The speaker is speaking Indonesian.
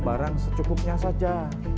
barang secukupnya saja